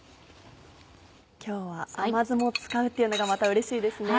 今日は甘酢も使うっていうのがまたうれしいですね。